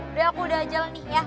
udah aku udah jalan nih ya